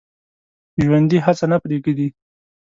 ژوندي هڅه نه پرېږدي